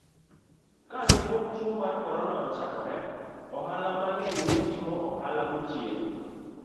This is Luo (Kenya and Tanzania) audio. Kane pok tuwo mar Corona ochakore, ohala mang'eny ne timo ohala gotieno,